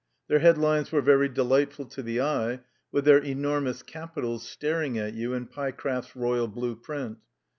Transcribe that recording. Their headlines were very delightful to the eye with their enormous capitals staring at you in Pyecraft's royal blue print.